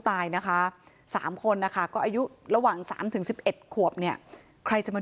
ตายนะคะ๓คนนะคะก็อายุระหว่าง๓๑๑ขวบเนี่ยใครจะมา